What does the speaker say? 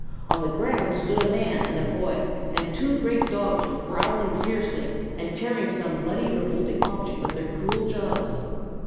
On the ground stood a man and a boy, and two great dogs were growling fiercely and tearing some bloody, revolting object with their cruel jaws.